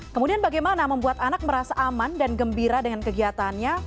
kemudian bagaimana membuat anak merasa aman dan gembira dengan kegiatannya